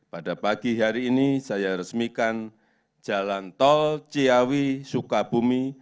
pada pagi hari ini saya resmikan jalan tol ciawi sukabumi